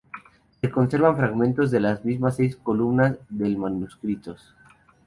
Se conservan fragmentos de las mismas seis columnas del manuscritos.